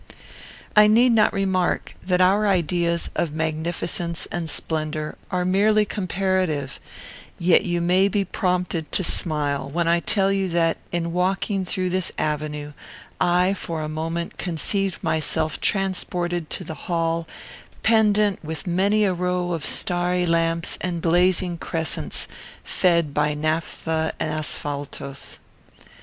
I need not remark that our ideas of magnificence and splendour are merely comparative; yet you may be prompted to smile when I tell you that, in walking through this avenue, I, for a moment, conceived myself transported to the hall "pendent with many a row of starry lamps and blazing crescents fed by naphtha and asphaltos."